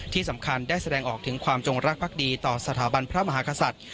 ที่สำคัญได้แสดงออกถึงความจงรักภักดีต่อสถาบันพระมหากษัตริย์